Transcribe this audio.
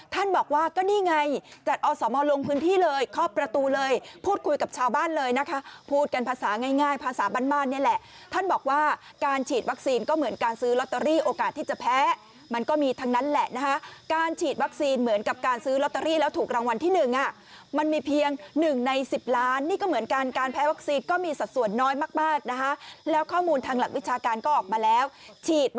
ท่านบอกว่าก็นี่ไงจัดอสมลงพื้นที่เลยเข้าประตูเลยพูดคุยกับชาวบ้านเลยนะคะพูดกันภาษาง่ายภาษาบ้านเนี่ยแหละท่านบอกว่าการฉีดวัคซีนก็เหมือนการซื้อลอตเตอรี่โอกาสที่จะแพ้มันก็มีทั้งนั้นแหละนะคะการฉีดวัคซีนเหมือนกับการซื้อลอตเตอรี่แล้วถูกรางวัลที่หนึ่งอ่ะมันมีเพียงหนึ่งในส